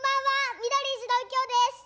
ミドリーズのうきょうです。